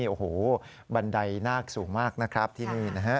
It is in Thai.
โอ้โหบันไดนาคสูงมากนะครับที่นี่นะฮะ